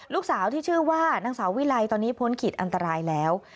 ลูกสาวที่ชื่อว่านางสาววิไลตอนนี้พ้นขีดอันตรายแล้ว